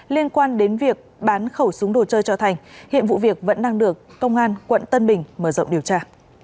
liên quan đến việc bán khẩu súng đồ chơi cho thành hiện vụ việc vẫn đang được công an quận tân bình mở rộng điều tra